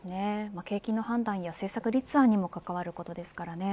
景気の判断や政策立案にも関わることですからね。